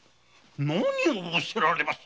何を仰せられます。